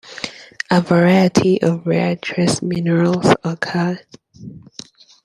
A variety of rare trace minerals occur.